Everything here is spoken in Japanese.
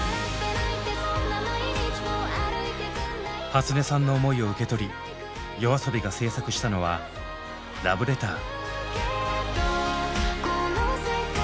はつねさんの思いを受け取りＹＯＡＳＯＢＩが制作したのは「ラブレター」。